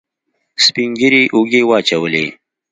سپينږيري اوږې واچولې.